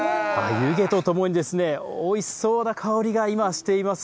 湯気とともに、おいしそうな香りが今、しています。